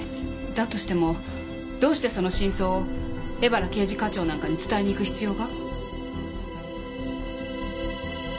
だとしてもどうしてその真相を江原刑事課長なんかに伝えにいく必要が？